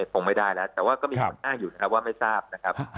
คงไม่ได้แล้วแต่ว่าก็มีคนอ้างอยู่นะครับว่าไม่ทราบนะครับ